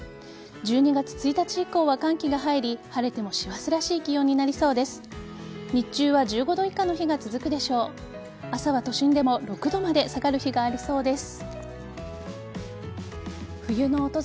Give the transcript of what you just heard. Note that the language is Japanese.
１２月１日以降は寒気が入り晴れても師走らしい気温になりそうです。